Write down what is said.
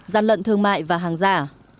gian lận thương mại và hàng giả